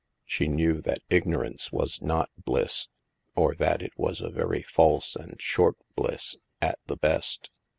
She knew that ignorance was not bliss, or that it was a very false and short bliss, at the best.